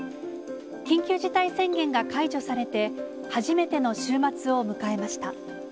緊急事態宣言が解除されて初めての週末を迎えました。